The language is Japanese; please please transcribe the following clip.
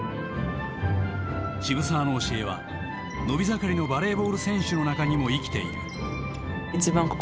渋沢の教えは伸び盛りのバレーボール選手の中にも生きている。